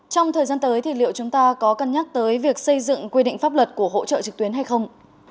trong thời gian tới thì liệu chúng ta có cân nhắc tới việc xây dựng quy định pháp luật của hỗ trợ trực tuyến hay không